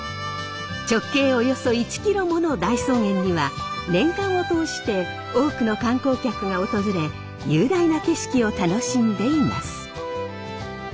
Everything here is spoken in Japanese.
直径およそ１キロもの大草原には年間を通して多くの観光客が訪れ雄大な景色を楽しんでいます。